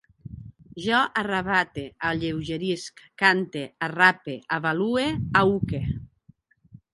Jo arravate, alleugerisc, cante, arrape, avalue, aüque